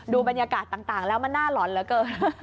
บรรยากาศต่างแล้วมันน่าหลอนเหลือเกิน